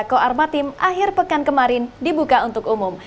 koarmatim akhir pekan kemarin dibuka untuk umum